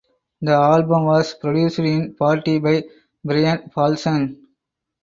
The album was produced in part by Brian Paulson.